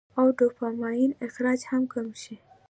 او ډوپامين اخراج هم کم شي -